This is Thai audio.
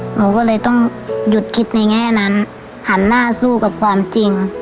หนูก็เลยต้องหยุดคิดในแง่นั้นหันหน้าสู้กับความจริง